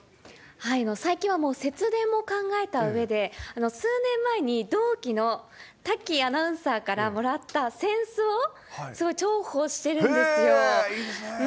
最近はもう節電も考えたうえで、数年前に同期のたきアナウンサーからもらったせんすを重宝していいいですね。